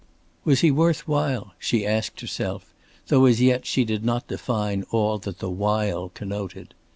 "Was he worth while?" she asked herself: though as yet she did not define all that the "while" connoted.